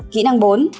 kỹ năng bốn